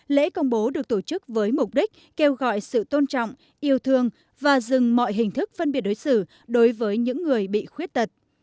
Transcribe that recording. lễ công bố được tổ chức với mục đích kêu gọi sự tôn trọng yêu thương và dừng mọi hình thức phân biệt đối xử đối với những người bị khuyết tật